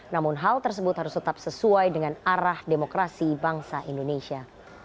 namun hal tersebut harus tetap sesuai dengan arah demokrasi bangsa indonesia